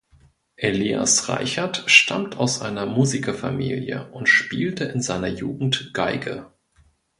Elias Reichert stammt aus einer Musikerfamilie und spielte in seiner Jugend Geige.